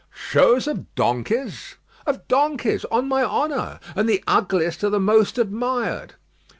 "Shows of donkeys?" "Of donkeys, on my honour. And the ugliest are the most admired."